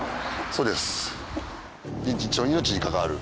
そうです。